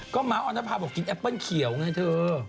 ก็ม้าออนภาบอกกินแอปเปิ้ลเขียวไงเธอ